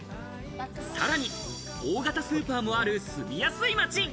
さらに大型スーパーもある住みやすい街。